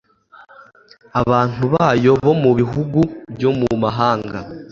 abantu bayo bo mu bihugu byo mu mahanga